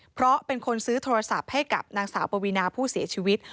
เพราะเป็นคนซื้อโทรศัพท์ให้กับนางสาวปวีนาผู้เสียชีวิต